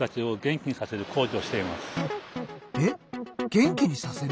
えっ元気にさせる？